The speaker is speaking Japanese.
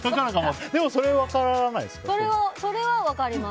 でも、それは分からないですか？